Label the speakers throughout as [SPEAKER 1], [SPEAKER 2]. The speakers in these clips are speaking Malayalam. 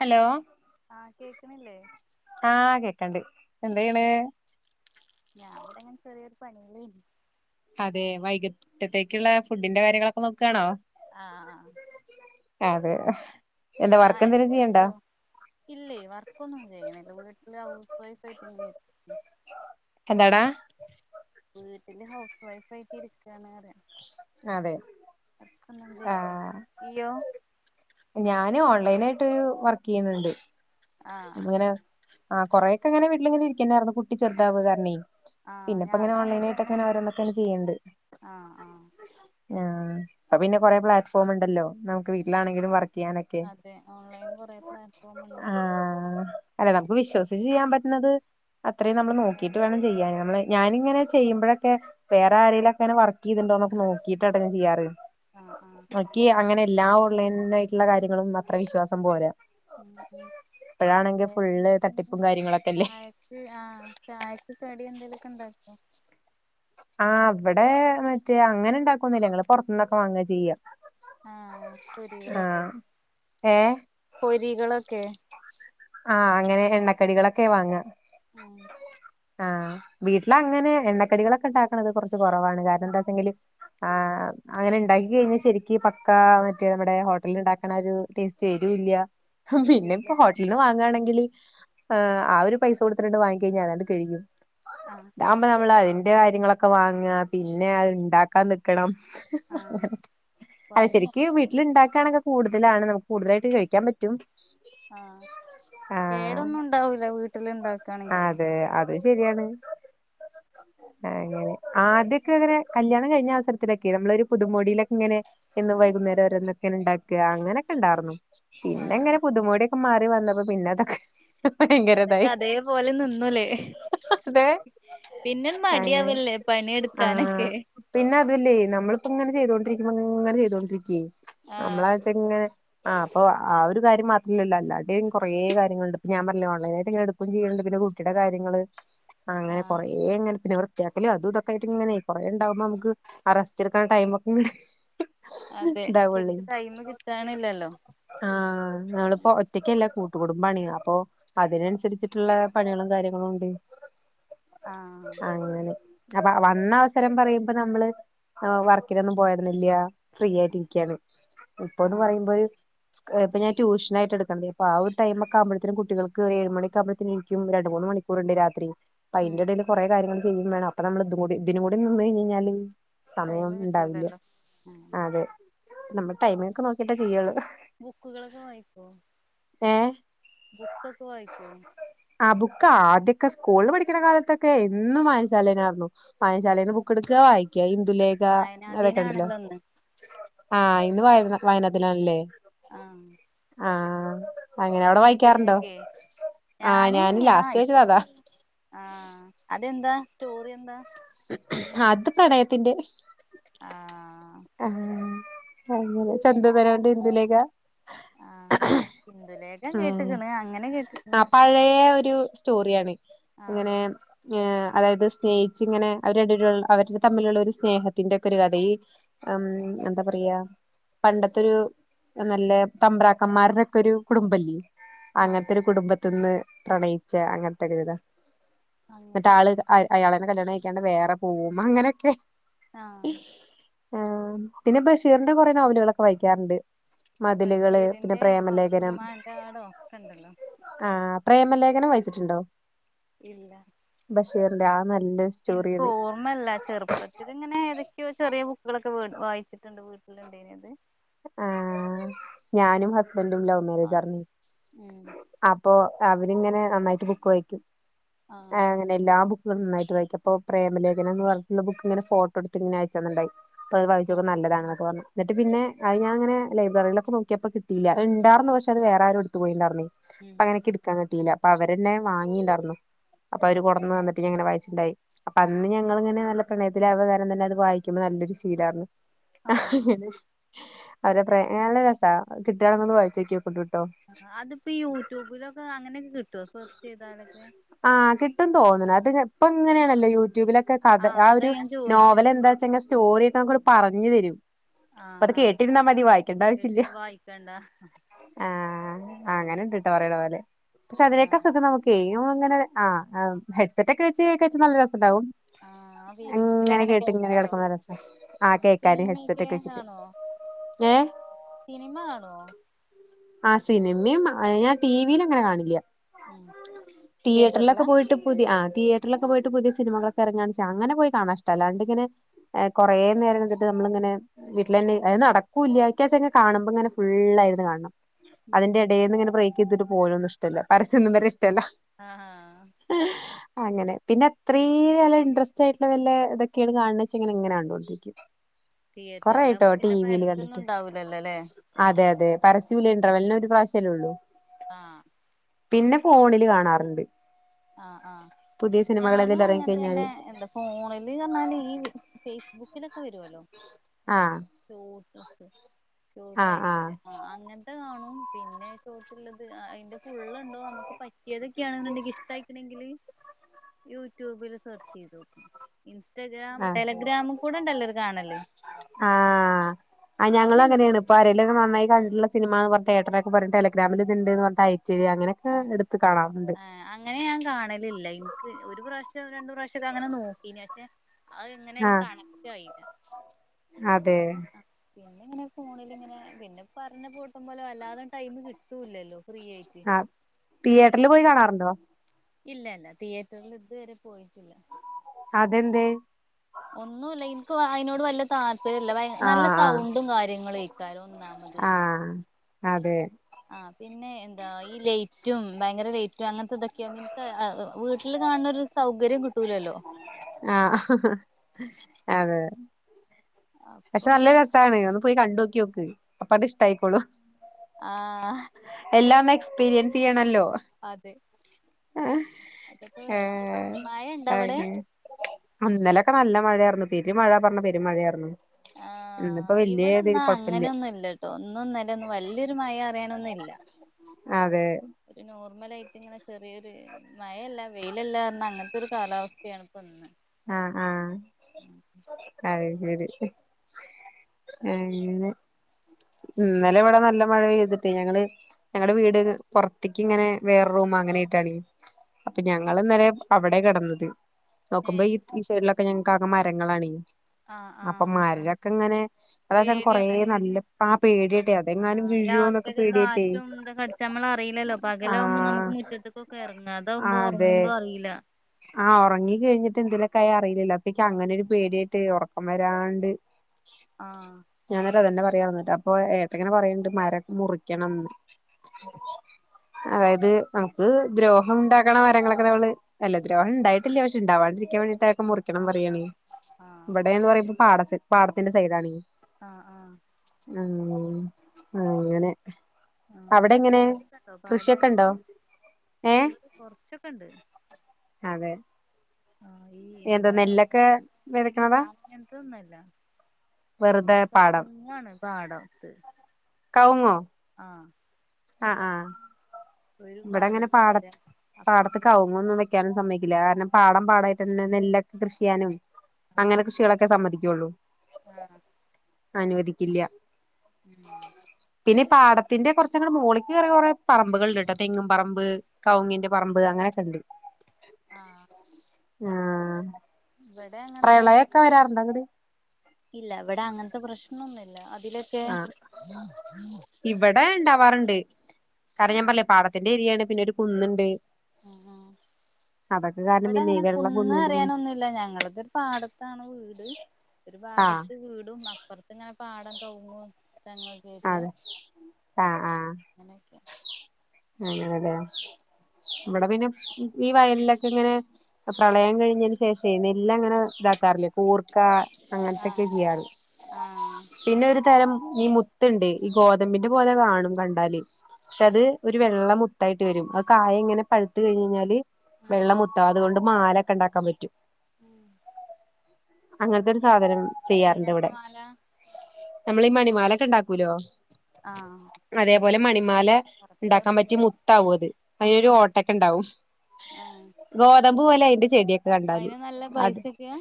[SPEAKER 1] ഹലോ
[SPEAKER 2] ആഹ് കേക്കണില്ലേ
[SPEAKER 1] ആഹ് കേക്കണ്ട് എന്തെയ്യ്ണേ
[SPEAKER 2] ഞാൻ ഇവിടെങ്ങനെ ചെറിയൊരു പണിയിലെനി
[SPEAKER 1] അതെ വൈകിട്ടത്തേക്കുള്ള ഫുഡിന്റെ കാര്യങ്ങളൊക്കെ നോക്കാണോ.
[SPEAKER 2] ആ ആ അ
[SPEAKER 1] അതെ എന്താ വർക്ക്
[SPEAKER 2] ചായൊക്കെ
[SPEAKER 1] എന്തേലും ചെയ്യണ്ടോ
[SPEAKER 2] കുടിച്ചോ ഇല്ലേ വർക്കൊന്നും ചെയ്യണില്ല വീട്ടിലാവു വൈ ഫൈ [unintelligible]
[SPEAKER 1] എന്താടാ
[SPEAKER 2] വീട്ടില് ഹൗസ് വൈഫ് ആയിട്ട് ഇരിക്കാൻ ന്നറിയ
[SPEAKER 1] അതെ
[SPEAKER 2] ഇപ്പൊന്നും ചെയ്യണില്ല
[SPEAKER 1] ആഹ്
[SPEAKER 2] നീയോ
[SPEAKER 1] ഞാന് ഓൺലൈൻ ആയിട്ട് ഒരു വർക്ക് ചെയ്യുന്ന്ണ്ട്
[SPEAKER 2] ആഹ്
[SPEAKER 1] അപ്പങ്ങനെ ആ കൊറേക്കെ അങ്ങനെ വീട്ടിലിങ്ങെനെ ഇരിക്കെണ്ടയായിരുന്നു കുട്ടി ചെറുതാവ കാരണേ
[SPEAKER 2] ആഹ്
[SPEAKER 1] പിന്നെപ്പ ഇങ്ങനെ
[SPEAKER 2] ഞാനും
[SPEAKER 1] ഓൺലൈൻ
[SPEAKER 2] അങ്ങനെ
[SPEAKER 1] ആയിട്ട്
[SPEAKER 2] തന്നെ
[SPEAKER 1] ക്കനെ ഓരോന്നൊക്കെ ചെയ്യണണ്ട്
[SPEAKER 2] ആഹ് ആഹ്
[SPEAKER 1] ആ പ്പ പിന്നെ കൊറേ പ്ലാറ്റ്ഫോം ഉണ്ടല്ലോ നമുക്ക് വീട്ടിലാണെങ്കിലും വർക്ക് ചെയ്യാനൊക്കെ
[SPEAKER 2] അതെ ഓൺലൈൻ കൊറെ പ്ലാറ്റ്ഫോം ഉണ്ട്
[SPEAKER 1] ആഹ് അല്ല നമുക്ക് വിശ്വസിച്ച് ചെയ്യാൻ പറ്റണത് അത്രയും നമ്മള്
[SPEAKER 2] ഏഹ്
[SPEAKER 1] നോക്കിട്ട് വേണം ചെയ്യാന് നമ്മളെ ഞാനിങ്ങനെ ചെയ്യുമ്പഴക്കെ വേറെ ആരെലുംക്കെങ്ങനെ വർ ചെയ്ണ്ടോക്കെ നോക്കിയിട്ട് ട്ടാ ഞാ ചെയ്യാറ്.
[SPEAKER 2] ആഹ് ആഹ്
[SPEAKER 1] നക്കി അങ്ങനെ എല്ലാ ഓൺലൈൻ ആയിട്ടുള്ള കാര്യങ്ങളും അത്ര വിശ്വാസം പോരാ.
[SPEAKER 2] [unintelligible]
[SPEAKER 1] ഇപ്പോഴാണെങ്കിൽ ഫുളള്
[SPEAKER 2] വേറെന്തൊക്കെണ്ട്
[SPEAKER 1] തട്ടിപ്പും കാര്യങ്ങള
[SPEAKER 2] ചായക്ക് ആ ചായക്ക് കടി എന്തേലുക്കെ ഉണ്ടാക്കോ.
[SPEAKER 1] ആ വിടെ മറ്റേ അങ്ങനെ ഇണ്ടാക്കു ഒന്നു ഇല്ല ങ്ങൾ പുറത്തന്നൊക്കെ വാങ്ങി ചെയ്യാ
[SPEAKER 2] ആ കൊരികളൊക്കെ
[SPEAKER 1] ആഹ് ഏഹ്
[SPEAKER 2] പൊരികളൊക്കെ
[SPEAKER 1] ആഹ് അങ്ങനെ എണ്ണക്കടികളൊക്കെയാ വാങ്ങാ
[SPEAKER 2] [unintelligible]
[SPEAKER 1] ആഹ് വീട്ടില അങ്ങനെ എണ്ണക്കടികളൊക്കെ ഉണ്ടാക്കണത് കുറച്ച് കുറവാണ് കാരണം എന്താ വച്ചെങ്കില് ആ അങ്ങനെ ഉണ്ടാക്കി കഴിഞ്ഞ ശരിക്ക് പക്കാ മറ്റേ നമ്മുടെ ഹോട്ടലിൽ ഉണ്ടാക്കണ ഒരു ടേസ്റ്റ് വരും [unintelligible] പിന്നെ
[SPEAKER 2] കിട്ടൂല
[SPEAKER 1] ഇപ്പ ഒ അങ്ങാണെങ്കില് ആ ഒരു പൈസ കൊടുത്തിട്ടുണ്ട് വാങ്ങിച്ച്ക്കഴിഞ്ഞാൽ അതണ്ട് കഴിഞ്ഞ്.
[SPEAKER 2] ആഹ്
[SPEAKER 1] ഇതാകുമ്പോ നമ്മൾ അതിന്റെ കാര്യങ്ങളൊക്കെ വാങ്ങുക പിന്നെ അത് ഇണ്ടാക്കാൻ നിക്കണം.
[SPEAKER 2] ആഹ്
[SPEAKER 1] അത് ശരിക്ക്
[SPEAKER 2] പണിയാണല്ലേ
[SPEAKER 1] വീട്ടിൽ ഉണ്ടാക്കാണെങ്ക്‌ കൂടുതലാണ് നമുക്ക് കൂടുതലായിട്ട് കഴിക്കാൻ പറ്റും.
[SPEAKER 2] ആ
[SPEAKER 1] ആഹ്
[SPEAKER 2] കേടൊന്നും ഉണ്ടാവൂല വീട്ടില് ഇണ്ടാക്കയാണെങ്കിലേ
[SPEAKER 1] അതെ അത് ശരിയാണ് ങ്ങനെ
[SPEAKER 2] അപ്പൊ പിന്നെ
[SPEAKER 1] ആദ്യത്തെ [unintelligible] കല്യാ ണം കഴിഞ്ഞ അവസരത്തിലൊക്കെ നമ്മള് ഒരു പുതുമൊടിയിലൊക്കെ ഇങ്ങനെ എന്നും
[SPEAKER 2] ആഹ്
[SPEAKER 1] വൈകുന്നേരം ഓരോന്നൊക്കെ ഉണ്ടാക്കുക അങ്ങനെയൊക്കെ ഉണ്ടായിരുന്നു പിന്നെ
[SPEAKER 2] ആഹ്
[SPEAKER 1] അങ്ങനെ പുതുമോടിയൊക്കെ മാറ് പിന്നതൊക്കെ
[SPEAKER 2] അതൊക്കെ
[SPEAKER 1] ഭയങ്കരതായി
[SPEAKER 2] അതേപോലെ നിന്നൂലേ
[SPEAKER 1] അതെ
[SPEAKER 2] പിന്നെ
[SPEAKER 1] അ [unintelligible]
[SPEAKER 2] മടിയാവല്ലേ
[SPEAKER 1] ആ
[SPEAKER 2] പണിയെടുക്കാനൊക്കെ
[SPEAKER 1] പിന്നെ അതില്ലേ നമ്മളിപ്പോ ഇങ്ങനെ ചെയ്തോണ്ടിരിക്കുമ്പം ഇങ്ങനെ ചെയ്തോണ്ടിരിക്കേ
[SPEAKER 2] ആഹ്
[SPEAKER 1] നമ്മളാച്ച ഇങ്ങനെ ആ അപ്പൊ ആ ഒരു കാര്യം മാത്രമല്ല അല്ലാ ഇ കുറേ കാര്യങ്ങളുണ്ട് ഞാൻ പറഞ്ഞില്ലേ ഓൺലൈനായിട്ട് [unintelligible] ചെയ്യുന്നുണ്ട് പിന്നെ കുട്ടീടെ കാര്യങ്ങള് അങ്ങനെ
[SPEAKER 2] ആഹ്
[SPEAKER 1] കൊറേ അങ്ങനെ തെ നിവർ വൃത്തിയാക്കലും അതും ഇതൊക്കെ ആയിട്ട് ഇങ്ങനെ കുറേ ഉണ്ടാവുമ്പോ നമക്ക് അ റെസ്റ്റ്ടുക്കാൻ ടൈമ് ഒക്കെ
[SPEAKER 2] അതെ
[SPEAKER 1] എതാ പള്ളി
[SPEAKER 2] ശരിക്ക് ടൈം കിട്ടാണില്ലല്ലോ
[SPEAKER 1] ആ നളപ്പോ ഒ ല്ല കൂട്ടു കൂടുംബാണി അപ്പൊ അതിനനുസരിച്ചിട്ടുള്ള പണികളും കാര്യങ്ങളും ഉണ്ട്.
[SPEAKER 2] ആ
[SPEAKER 1] അപ്പ വന്ന അവസരം പറയുമ്പോ നമ്മള് ആ വർക്കില് ഒന്നും പോയിരുന്നില്ല ഫ്രീ ആയിട്ടിരിക്കയാണ്. ഇപ്പൊ എന്ന്
[SPEAKER 2] ആഹ്
[SPEAKER 1] പറയുമ്പോ ഒരു ഇപ്പൊ ഞാൻ ട്യൂഷനായിയിട്ട് എടുക്ക അപ്പൊ ആ ഒരുടൈം ഒക്കെുമ്പഴനും കുട്ടികൾക്ക് ഒരുഏഴ മണിക്ക ആുമ്പഴത്തുംനരിക്കും രണ്ട് മൂന്ന് മണിക്കൂർുണ്ട് രാത്രി അപ്പ
[SPEAKER 2] ഉം
[SPEAKER 1] അതിന്റെടയിയില് കുറ കാര്യങ്ങൾ ചെയ്യും വേണം അപ്പ നമ്മ ഇ കൂ ഇതിന കൂടിന്ന് കഴിഞ്ഞാല് സമയം
[SPEAKER 2] ടൈമ്
[SPEAKER 1] ഉണ്ടാവില്ല
[SPEAKER 2] കിട്ടൂലല്ലോ ആഹ്
[SPEAKER 1] അതെ നമ്മൾ ടൈമ ഒക്കെ നോക്കിട്ടേ ചെയ്യുള്ളൂ
[SPEAKER 2] ബുക്കുകളൊക്കെ വാായിക്കോ
[SPEAKER 1] ഏ ആബുക്ക് ആദ്യൊക്കെ സ്കൂളിൽ പഠിക്കണ കാലത്തൊക്കെ എും വായനശാലയിൽ ആയിരുന്നു
[SPEAKER 2] ഉം
[SPEAKER 1] വായനശാലിയിൽ നിന്ന് ബുക്ക് എടുക്ക വായിക്കാ ഇന്ദുലേഖ
[SPEAKER 2] വായനാ
[SPEAKER 1] അതൊക്കെ ഉണ്ടല്ലോ
[SPEAKER 2] ദിനാണല്ലോ ഇന്ന്
[SPEAKER 1] ആഹ ഇന്ന് വായനദിനം ആണല്ലേ
[SPEAKER 2] ആഹ
[SPEAKER 1] ആഹ ഇങ്ങനെ എവിടെ വായിക്കാറുണ്ടോ ആഹ്
[SPEAKER 2] ഞാന് ആഹ
[SPEAKER 1] ലാസ്റ്റ് വായിച്ചത് അതാ
[SPEAKER 2] ഇപ്പൊറഞ്ഞു ആഹ അതെന്താ സ്റ്റോറി എന്താ
[SPEAKER 1] അത് പ്രണയത്തിന്റെ
[SPEAKER 2] ആഹ
[SPEAKER 1] ആ അ സന്തൂ പനണ്ട് ഇന്ദലേഖ
[SPEAKER 2] ആഹ് ഇന്ദുലേഖ
[SPEAKER 1] ഉ
[SPEAKER 2] കേട്ട്ക്ക്ണ് അങ്ങനെ കേട്ട്ക്ക്ണ്
[SPEAKER 1] ആ
[SPEAKER 2] പക്ഷെ
[SPEAKER 1] പഴയ ഒരു സ്റ്റോറിയാണ്
[SPEAKER 2] ആഹ്
[SPEAKER 1] അങ്ങനെ ഏ അതായത് സ്നേഹിച്ച് ഇങ്ങനെ അവര് രണ്ടരു അവരുടെ തമ്മിലുള്ള ഒരു സ്നേഹത്തിറെ ഒക്കെ ഒരു കഥ ഈ ഉം എന്താ പറയാ പണ്ടത്തെൊരു നല്ല തമ്പ്രാക്കന്മാരുടെൊക്കെ ഒരു കുടുംബല്ല
[SPEAKER 2] ആഹ്
[SPEAKER 1] അങ്ങനത്തെ ഒരു കുടുംബത്തി നിന്ന് പ്രണയിച്ച അങ്ങനത്തെ കതാ മറ്റ
[SPEAKER 2] അങ്ങനത്തൊരു
[SPEAKER 1] ആള്
[SPEAKER 2] കഥ
[SPEAKER 1] അയാളെ കല്യാണം കഴിക്കാണ്ട് വേറെ പോ്പ അങ്ങനെയൊക്കെ
[SPEAKER 2] ആഹ
[SPEAKER 1] ആ പിന്നെ ബഷീറിന്റെ കുറെ നോവലുകളൊക്കെ വായിക്കാറുണ്ട് മതിലുകള് പിന്നെ
[SPEAKER 2] ബഷീറിന്റെ
[SPEAKER 1] പ്രേമലേഖനം
[SPEAKER 2] പാാക്കുമ്മാന്റെ ആട ഒക്കെ ഇണ്ടല്ലോ
[SPEAKER 1] ആ പ്രേമലേഖനം വഹിച്ചിട്ടുണ്ടോ
[SPEAKER 2] ഇല്ല
[SPEAKER 1] ആ നല്ലൊരു
[SPEAKER 2] എനിക്ക്
[SPEAKER 1] സ്റ്റോറിയാണ്
[SPEAKER 2] ഓർമ്മല്ല ചെറുപ്പത്തിൽ ഇങ്ങനെ ഏതൊക്കെയോ ചെറിയ ബുക്കൾൊ ഒ വായിച്ചിട്ടുണ്ട് വീട്ടിലുണ്ടത്
[SPEAKER 1] ആഹ ഞാനും ബൻറും ലവ്
[SPEAKER 2] ആഹ്
[SPEAKER 1] മേജ്ണി
[SPEAKER 2] ഉം
[SPEAKER 1] അപ്പൊ അവരിങ്ങനെ നന്നായിട്ട് ബുക്ക് വായിിക്കും ആ
[SPEAKER 2] ആഹ്
[SPEAKER 1] അങ്ങനെയല്ലാ ഇ നന്നായിട്ട് വായിക്ക അപ്പൊ പ്രേമലേഖന എന്ന് പറഞ്ഞട്ടുള്ള ബുക്ക് ഇങ്ങനെ ഫോട്ടോ എടുത്ത് ഇങ്ങനെ അയച്ചാന്നുണ്ടായി അപ്പ അത്
[SPEAKER 2] ആഹ്
[SPEAKER 1] വവിച്ചോക്കെ നല്ലതണെന്നക്കെ പറഞ്ഞു എന്നിട്ട് പിന്നെ ഞാ അങ്ങനെൈ്രറിയിലൊക്കെ നോക്കിയപ്പോ കിട്ടയില്ല അത്ണ്ടന്നന്ന് പക്ഷ അത് വേറെ ആരുംടുത്ത് പോയിുണ്ടായിന്നേ
[SPEAKER 2] ഉം
[SPEAKER 1] അപ്പ അങ്ങനെക്കെ എടുക്കാൻ കിട്ടിയില്ല അപ്പൊ അവരന്നെ വാങ്ങിണ്ടായിർന്നു അപ്പ അവര് കൊടന്ന് വന്നിട്ട് അങ്ങനെ പയസുണ്ടായി അൊ അന്ന് ഞങ്ങിങ്ങനെ നല്ല പ്രണയത്തില അവകാരം നല്ല അത് വായിക്ക്പോ നല്ലൊരു ശടന്ന് ആ
[SPEAKER 2] ആഹ്
[SPEAKER 1] അവരെ
[SPEAKER 2] അങ്ങനെ
[SPEAKER 1] പ്രള രസ കിട്ടണംെന്ന വായിച്ചേക്ക കൊണ്ട
[SPEAKER 2] ആ അതിപ്പോ യൂട്യൂബിലൊക്കെ അങ്ങനെയക്കെ കിട്ടുവോ സെർച്ച് ചെയ്താലൊക്കെ
[SPEAKER 1] ും തോന്നുന്നത് അത് ഇപ്പൊ എങ്ങനെയാണല്ലോ യൂട്യൂബിലൊക്കെ കഥ
[SPEAKER 2] ആഹ്
[SPEAKER 1] ആ
[SPEAKER 2] അതാ
[SPEAKER 1] ഒരു
[SPEAKER 2] ഞാൻ
[SPEAKER 1] നോവൽ
[SPEAKER 2] ചോദിച്ചത്
[SPEAKER 1] എന്താ വെച്ച സ്റ്റോറി നമൂടി പറഞ്ഞു തരും അപ്പൊ
[SPEAKER 2] ആഹ്
[SPEAKER 1] അത്
[SPEAKER 2] ആഹ്
[SPEAKER 1] കേട്ടിട്ട് നമ്മ മതി വായിക്കേണ്ട ആവശ്യമില്ല
[SPEAKER 2] കേട്ട് വായിക്കണ്ട
[SPEAKER 1] ആഹ
[SPEAKER 2] ആഹ്
[SPEAKER 1] അങ്ങനെണ്ട്ട്ടോ പറയണ പോലെ പക്ഷെ
[SPEAKER 2] ആഹ്
[SPEAKER 1] അതിന ൊക്കെ നമുക്ക്ങ്ങനെ ആ ഹെ്െ ഒക്കെ വെച്ച് ക നല്ല രസംണ്ടാവും
[SPEAKER 2] ആഹ് ആ
[SPEAKER 1] അങ്ങനെ
[SPEAKER 2] ഫീലിംഗ്സിലങ്ങനെ
[SPEAKER 1] കേട്ട് ഇങ്ങനെ
[SPEAKER 2] കേൾക്കാലോ
[SPEAKER 1] കിടക്കുന്ന രസ ആ കേക്കാന ഹെഡ്സെറ്റ് ഒക്കെ വെച്ചിട്ട് ഏഹ്
[SPEAKER 2] സിനിമയാണോ
[SPEAKER 1] ആ സിനിമയും ഞാൻ ടി വിൽ അങ്ങനെ കാണില്ല
[SPEAKER 2] ഉം
[SPEAKER 1] തിയേറ്ററിലൊക്കെ
[SPEAKER 2] തിയേറ്ററിലാ
[SPEAKER 1] പോയിട്ട് പുതിയ ആ തിയേറ്ററൽൊക്കെ െ പോയിട്ട് പുതിയ സിനിമകൊക്കെ ഇറങ്ങാ അങ്ങനെ പോയി കാണാഷ്ടല്ലണ്ടങ്ങെ കൊറെ നേരട്ട നമ്മളിങ്ങനെ വീട്ടിലന്നെ അത് നടക്കൂ ഇല്ലച്ചെ കാണുമ്പോ അങ്ങനെ ഫുള്ളായിയിരുന്നു കാണണം
[SPEAKER 2] ഉം
[SPEAKER 1] അതിന്റെ ഇടയിൽന്ന് ഇങ്ങനെ ബ്രേക്ക് ചെയ്തിട്ട് പോയോന്ന ഇ്ടല്ല പരസൊന്നും വരെ ഇഷ്ടമല്ല
[SPEAKER 2] ആഹ് ആഹ്
[SPEAKER 1] അങ്ങനെ പിന്നെ അത്ര
[SPEAKER 2] തി
[SPEAKER 1] നല്ല ഇൻട്രസ്റ്റ് ആയിട്ടുള്ള വല്ല ഇതൊക്കെയാണ് കാണ വെച്ചങ്ങനെ എങ്ങനെ കണ്ടോൊണ്ടിരിക്കും കൊറൊയിട്ടോ
[SPEAKER 2] തിയേറ്ററിലാവുമ്പോ
[SPEAKER 1] ടി
[SPEAKER 2] പിന്നെ പര
[SPEAKER 1] വിൽ
[SPEAKER 2] തൊന്നും
[SPEAKER 1] കണ്ടിട്ട്
[SPEAKER 2] ഉണ്ടാവൂലല്ലോല്ലേ
[SPEAKER 1] അതെ അതെ പരസ്യ ത്രവലിനെ ഒരു പ്രാവശ്യമേ ഉള്ളൂ
[SPEAKER 2] ആഹ
[SPEAKER 1] പിന്നെ ഫോണില് കാണാറുണ്ട്
[SPEAKER 2] ആഹ് ആഹ്
[SPEAKER 1] പുതിയ സിനിമകൾ
[SPEAKER 2] ഞാനും
[SPEAKER 1] ഏതേലും ഇറങ്ങി
[SPEAKER 2] അങ്ങനെ
[SPEAKER 1] കഴിഞ്ഞാല്
[SPEAKER 2] തന്നെ എന്താ ഫോണില് പറഞ്ഞാല് ഈ- ബുക്കിലൊക്കെ വരുവല്ലോ
[SPEAKER 1] ആഹ്
[SPEAKER 2] ായിട്ട [unintelligible] ആ അങ്ങനത്തെ കാണും പിന്നെ ഷോർട് ഉള്ളത് അതിന്റെ പിന്നെ ഫുള്ള് ഉണ്ടോ നമുക്ക് പറ്റിയതൊക്കെയാണെന്നുണ്ടെങ്കി ഇഷ്ടം ല് യൂട്യൂബില് സെർച്ച് ചെയ്ത് നോക്കും ഇൻസ്റ്റഗ്രാം
[SPEAKER 1] ആ
[SPEAKER 2] ടെലഗ്രാമും കൂടെ ഉണ്ടല്ലോര് കാണല്
[SPEAKER 1] ആഹ് ആ ഞങ്ങള
[SPEAKER 2] അതെനിക്ക്
[SPEAKER 1] അങ്ങനെയാണ് ഇപ്പ അരലെ നന്നായി കണ്ടിട്ടുള്ള സിനമന്ന് പറഞ്ഞ് തിതിറ്റർ ഒകെ ടെലഗ്രാമിൽ ഇതുണ്ട്ന്ന് പറഞ്ഞ് അ
[SPEAKER 2] ആ അങ്ങനെ ഞാൻ കാണലില്ല എനിക്ക് ഒരു പ്ര ഒരു പ്രാവശ്യം രണ്ട് പ്രാവശ്യം ഒക്കെ അങ്ങനെ നോക്കി ഞാൻ പിന്നെ അത് എങ്ങനെലും
[SPEAKER 1] ആഹ്
[SPEAKER 2] കണക്റ്റ് ആയില്ല
[SPEAKER 1] അതെ
[SPEAKER 2] പിന്നെ ആഹ് പിന്നെ ഇങ്ങനെ ഫോണിലിങ്ങനെ പിന്നെ പറഞ്ഞ പോട്ടം പോലെ അല്ലാതെ ടൈം കിട്ടൂല്ലല്ലോ ഫ്രീ ആയിട്ട്
[SPEAKER 1] തിയേറ്ററില് പോയി കാണാറുണ്ടോ
[SPEAKER 2] ഇല്ല ഇല്ല തിയേറ്ററിൽ ഇതുവരെ പോയിട്ടില്ല
[SPEAKER 1] അതെന്തേ
[SPEAKER 2] ഒന്നുല്ല എൻക്ക് അതിനോട് വല്ല ത ഇല്ല നല്ല
[SPEAKER 1] ആഹ് ആഹ്
[SPEAKER 2] സൗണ്ടും കാര്യങ്ങളും ഇയ്ക്കാലും ഒന്നാമത്
[SPEAKER 1] ആഹ് അതെ
[SPEAKER 2] ആ പിന്നെ എന്താ ഈ ലേറ്റും ഭയങ്കര ലേറ്റും അങ്ങനത്തെ ഇതൊക്കെ വീട്ടില് കാണുന്നരു സൗകര്യം കിട്ടൂലല്ലോ
[SPEAKER 1] ആഹ് അതെ
[SPEAKER 2] അപ്പൊ
[SPEAKER 1] പക്ഷെ നല്ല
[SPEAKER 2] ഇങ്ങനെ
[SPEAKER 1] രസാണ് പോയി കണ്ടോക്കി നോക്ക് അപ്പ അത് ഇഷ്ടായിക്കോളും
[SPEAKER 2] ആഹ്
[SPEAKER 1] എല്ലാം ഒന്ന് എക്സ്പീരിയൻസ് ചെയ്യണല്ലോ
[SPEAKER 2] അതെ അതൊക്കെ വേണം മഴ ഇണ്ടോ
[SPEAKER 1] ആഹ്
[SPEAKER 2] അവിടെ
[SPEAKER 1] ഇന്നലൊക്കെ നല്ല മഴായിരുന്നു പെരു മഴ പറഞ്ഞ പെരു മഴാരുന്നു
[SPEAKER 2] ആഹ് ആ ഇവിടന്നാ
[SPEAKER 1] കൊഴപ്പില്ല
[SPEAKER 2] അങ്ങനെയൊന്നും ഇല്ലട്ടോ ഇന്നിന്നൊലയും വല്യൊരു മഴ അറിയാനൊന്നുല്ല
[SPEAKER 1] അതെ
[SPEAKER 2] നോർമലായിട്ട് ഇങ്ങനെ ചെറിയൊരു മയല്ല വെയിലല്ല കാര അങ്ങനത്തെ ഒരു കാലാവസ്ഥയാണ് ഇപ്പൊ ഇന്ന്
[SPEAKER 1] ആഹ് ആഹ് അത് ശരി- അങ്ങ്നെ - ഇന്നലെ ഇവിടെ നല്ല മഴ പെയ്തിട്ട് ഞങ്ങള് ഞങ്ങളടെ വീട് പുറത്തേക്ക് ഇങ്ങനെ വേറു മഅങ്ങനെയിട്ടാണ് അപ്പൊ ഞങ്ങള് ഇന്നലെ അവിടെ കെടന്നത്- നക്ക്പോ
[SPEAKER 2] ഏഹ്
[SPEAKER 1] ഈസൈഡിലക്കെ ഞങ്ങക്കകെ മരങ്ങളണെ-
[SPEAKER 2] ആഹ്
[SPEAKER 1] അപ്പൊ
[SPEAKER 2] ആഹ്
[SPEAKER 1] മരൊക്കെ ഇങ്ങനെ അതാച്ച കൊറേ
[SPEAKER 2] പേടിയാണല്ലോ
[SPEAKER 1] നല്ല ആ പേടിയട്ടെ അതെങ്ങാനും വീ
[SPEAKER 2] രാത്രി ഒക്കെ കാറ്റും എന്താ കടിച്ചാ നമ്മളറില്ലല്ലോ
[SPEAKER 1] ആ
[SPEAKER 2] പകലാവുമ്പോ നമുക്ക് മുറ്റത്തക്കൊക്കെ ഇറങ്ങാംഅതാവുമ്പോ- ഒറങ്ങുമ്പം അറീല്ല-
[SPEAKER 1] ആഹ് ഒറങ്ങി കഴിഞ്ഞിട്ട് എന്ത്ലൊക്കെ ആയ അറിയില്ലല്ല അപ്പേക്ക് അങ്ങനെ ഒരു പേടിയായിട്ട് ഒറക്കം വരാണ്ട്-
[SPEAKER 2] ആഹ്
[SPEAKER 1] ഞാനതാ അതന്നെ പറ ന്നിട്ട് അപ്പൊ ഏത്തെങ്ങനെ പറയണ്ട് മരം മുറിക്കണംന്ന്- അതായത് നമുക്ക് ദ്രോഹം ഉണ്ടാക്കണ മരങ്ങളൊക്കെ നമ്മള് അല്ല ദ്രോഹം ഉണ്ടായിട്ടില്ല പക്ഷെ ഉണ്ടാവാണ്ടിരിക്ക ക്കാൻ വേണ്ടീട്ടാരിക്കും മുറിക്കണം
[SPEAKER 2] ആഹ്
[SPEAKER 1] പറയണെ.
[SPEAKER 2] ആഹ് ആഹ്
[SPEAKER 1] ഇവിടെ എന്ന് പറയുമ്പം പാട സെ പാടത്തിന്റെ സൈഡാണെ.
[SPEAKER 2] ആഹ് ആഹ് -
[SPEAKER 1] ഉം അങ്ങനെ-
[SPEAKER 2] ആഹ്
[SPEAKER 1] അവിടെ എങ്ങനെ
[SPEAKER 2] പച്ചക്കറി ക്കെണ്ടോ
[SPEAKER 1] കൃഷിയൊക്കെ ഉണ്ടോ
[SPEAKER 2] പാടായോണ്ട്
[SPEAKER 1] ഏ
[SPEAKER 2] ഇവിടെ കൊറച്ചൊക്കെ ഉണ്ട്-
[SPEAKER 1] അതെ-
[SPEAKER 2] ആഹ് ഈ
[SPEAKER 1] എന്താ
[SPEAKER 2] ഇന്താ
[SPEAKER 1] നെല്ലൊക്കെ വിതക്കണതാ
[SPEAKER 2] ഇല്ലങ്ങ എന്തൊന്നല്ല-
[SPEAKER 1] വെറുതെ
[SPEAKER 2] കവുങ്ങാണ് പാടത്ത്
[SPEAKER 1] കൗങ്ങോ
[SPEAKER 2] ആ
[SPEAKER 1] ആ ആ ഇവിടെ അങ്ങനെ
[SPEAKER 2] ഭാഗത്ത് പെര
[SPEAKER 1] പാടത്ത്
[SPEAKER 2] അപ്പർ
[SPEAKER 1] പാടത്ത് കവുങ്ങ് ഒന്നും വെക്കാനും സമ്മതി കാരണം പാടം പാടമായിട്ട് തന്നെ നെല്ലൊക്കെ കൃഷി ചെയ്യാനും അങ്ങനെ കൃഷികളൊക്കെ സമ്മതിക്കൊള്ളൂ
[SPEAKER 2] ആ
[SPEAKER 1] അനുവദിക്കില്ല
[SPEAKER 2] ഉം
[SPEAKER 1] പിന്നെ പാടത്തിന്റെ കുറച്ചങ്ങോട് മോളി കേറി കൊറെ പറമ്പുകളുണ്ട് തെങ്ങും പറമ്പ് കവുങ്ങിന്റെ പറമ്പ് അങ്ങനൊക്കെ ഉണ്ട്
[SPEAKER 2] ആ
[SPEAKER 1] ആ
[SPEAKER 2] അങ്ങൻത്തന്നെ
[SPEAKER 1] പ്രളയൊക്കെ വരാറുണ്ട് അങ്ങോട്ട്
[SPEAKER 2] ഇല്ല ഇവിടെ അങ്ങനത്തെ പ്രശ്നൊന്നുമില്ല
[SPEAKER 1] ആ ഇവിടെ ഉണ്ടാവാറുണ്ട് കാരണം ഞാൻ
[SPEAKER 2] ആഹ്
[SPEAKER 1] പറഞ്ഞില്ലേ പാടത്തിന്റെ ഏരിയാണ് പിന്നെ ഒരു കുന്നുണ്ട്
[SPEAKER 2] ആഹ്
[SPEAKER 1] അതൊക്കെ കാരണം
[SPEAKER 2] ഇവിടെ
[SPEAKER 1] പിന്നെ
[SPEAKER 2] അങ്ങനെ
[SPEAKER 1] വെള്ളം
[SPEAKER 2] കുന്ന്
[SPEAKER 1] കുന്നിന്റെ മു
[SPEAKER 2] അറിയാനൊന്നുമല്ല ഞങ്ങളതൊരു പാടത്താണ് വീട് ഒരു
[SPEAKER 1] ആഹ്
[SPEAKER 2] ഭാഗത്ത് വീടും അപ്പുറത്ത് ഇങ്ങനെ പാടം കവങ്ങും ഒ
[SPEAKER 1] അതെ ആ ആ
[SPEAKER 2] അങ്ങനെയൊക്കെ
[SPEAKER 1] അങ്ങനല്ലെ നമ്മടെ പിന്നെ ഈ വയലിലൊക്കെ അങ്ങനെ പ്രളയം കഴിഞ്ഞതിന് ശേഷേ നെല്ല് അങ്ങനെ ഇതാക്കാറില്ല. കൂർക്ക അങ്ങനത്തൊക്കെ
[SPEAKER 2] ആഹ്
[SPEAKER 1] ചെയ്യാറ്
[SPEAKER 2] ആഹ്
[SPEAKER 1] പിന്നെ ഒരു തരം ഈ മു ത്തുണ്ട് ഈ ഗോതമ്പിന്റെ പോലെ കാണും കണ്ടാല് പക്ഷെ അത്
[SPEAKER 2] ആഹ്
[SPEAKER 1] ഒരു വെള്ള മുത് മുത്തായിട്ട് വരും കായ ഇങ്ങനെ പഴുത്തു കഴിഞ്ഞാല്
[SPEAKER 2] ആഹ്
[SPEAKER 1] വെള്ളം മുത്താ അതുകൊണ്ട് മാലക്കെ ഉണ്ടാക്കാൻ പറ്റും
[SPEAKER 2] ഉം
[SPEAKER 1] അങ്ങനത്തെ ഒരു സാധനം ചെയ്യാറുണ്ട്
[SPEAKER 2] എങ്ങനത്തെ
[SPEAKER 1] ഇവിടെ.
[SPEAKER 2] മാല
[SPEAKER 1] നമ്മൾ ഈ മണിമാലയൊക്കെ ഉണ്ടാക്കൂലോ
[SPEAKER 2] ആ
[SPEAKER 1] അതേപോലെ മണിമാല ഉണ്ടാക്കാൻ പറ്റിയ മുത്താവും അത് അതിനൊരു
[SPEAKER 2] ആഹ്
[SPEAKER 1] ഓട്ടക്കെ ഉണ്ടാവും
[SPEAKER 2] ആഹ്
[SPEAKER 1] ഗോതമ്പ് പോലെയാ അയിന്റെ ചെടിയൊക്കെ കണ്ടാല്
[SPEAKER 2] അയിന് നല്ല
[SPEAKER 1] അത്
[SPEAKER 2] പൈസൊക്കെയാ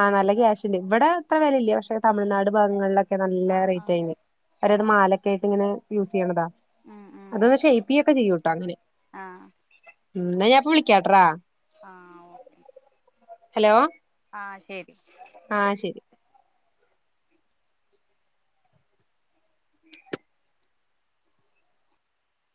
[SPEAKER 1] ആ നല്ലക്യാഷ് ഉണ്ട് ഇവിടെ ഇത്ര വിലയില്ല പക്ഷെ തമിഴ്നാട് ഭാഗങ്ങളിലൊക്കെ നല്ല
[SPEAKER 2] ആഹ് ആഹ്
[SPEAKER 1] റേറ്റായിന്. അവരത് മാലക്ക ആയിട്ട് ഇങ്ങനെ യൂസ് ചെയ്യണതാ. അതൊന്ന് ഷേപ്പ് ചെയ്യൊക്കെ ചെയ്യൂട്ടോ അങ്ങനെ
[SPEAKER 2] ആ
[SPEAKER 1] ഉം. എന്നാ ഞാൻ ഇപ്പം വിളിക്കാട്രാ
[SPEAKER 2] ആ ഓക്കെ
[SPEAKER 1] ഹലോ
[SPEAKER 2] ആ ശരി
[SPEAKER 1] ആ ശരി